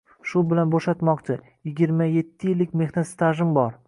Shu bilan bo‘shatmoqchi. yigirma yetti yillik mexnat stajim bor.